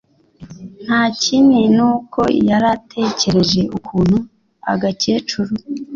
ntakini nuko yaratekereje ukuntu agakecuru